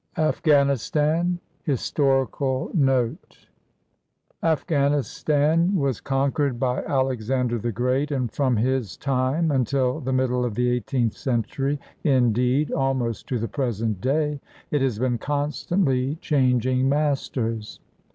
AFGHANISTAN HISTORICAL NOTE Afghanistan was conquered by Alexander the Great, and from his time until the middle of the eighteenth century, indeed, almost to the present day, it has been constantly changing masters.